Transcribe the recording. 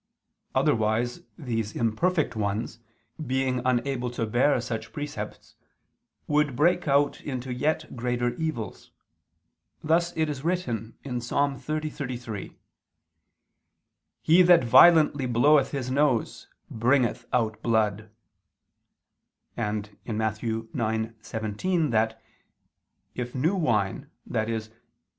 Otherwise these imperfect ones, being unable to bear such precepts, would break out into yet greater evils: thus it is written (Ps. 30:33): "He that violently bloweth his nose, bringeth out blood"; and (Matt. 9:17) that if "new wine," i.e.